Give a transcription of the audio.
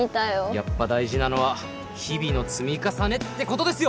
やっぱ大事なのは日々の積み重ねってことですよ